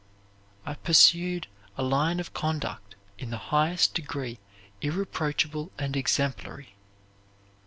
I pursued a line of conduct in the highest degree irreproachable and exemplary.